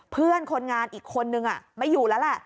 เพื่อนคนงานอีกคนนึงไม่อยู่แล้วแหละ